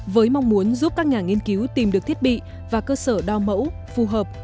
với mong muốn giúp các nhà nghiên cứu tìm được thiết bị và cơ sở đo mẫu phù hợp